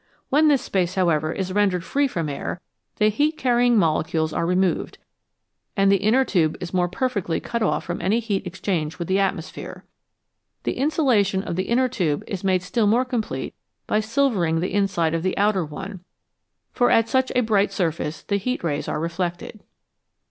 When this space, however, is rendered free from air, the heat carrying molecules are removed, and the inner tube is more perfectly cut off from any heat exchange with the atmosphere. The insulation of the inner tube is made still more complete by silvering the inside of the outer one, for at such a bright surface the heat rays are reflected.